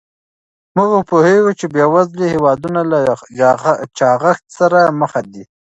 موږ پوهیږو چې بې وزلي هېوادونه له چاغښت سره مخ دي.